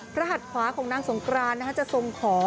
หัดขวาของนางสงกรานจะทรงขอ